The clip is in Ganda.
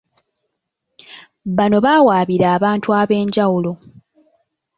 Bano baawaabira abantu ab'enjawulo